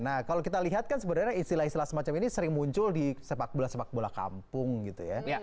nah kalau kita lihat kan sebenarnya istilah istilah semacam ini sering muncul di sepak bola sepak bola kampung gitu ya